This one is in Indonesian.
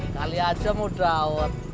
kali aja mau dawet